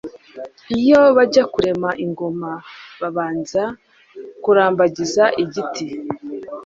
Iyo bajya kurema ingoma babanza kurambagiza igiti,